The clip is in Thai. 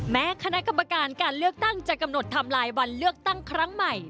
แม้คณะกรรมการการเลือกตั้งจะกำหนดทำลายวันเลือกตั้งครั้งใหม่